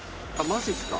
マジですか？